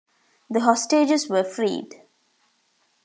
The hostages were freed.